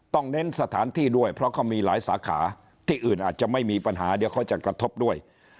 เน้นสถานที่ด้วยเพราะเขามีหลายสาขาที่อื่นอาจจะไม่มีปัญหาเดี๋ยวเขาจะกระทบด้วย